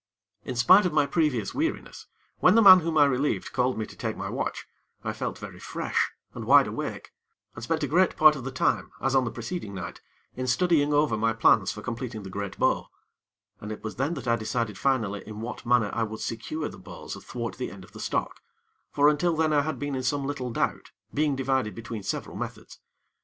In spite of my previous weariness, when the man whom I relieved called me to take my watch, I felt very fresh and wide awake, and spent a great part of the time, as on the preceding night, in studying over my plans for completing the great bow, and it was then that I decided finally in what manner I would secure the bows athwart the end of the stock; for until then I had been in some little doubt, being divided between several methods.